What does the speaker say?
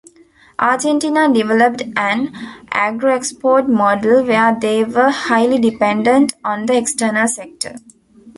Argentina developed an agro-export model where they were highly dependent on the external sector.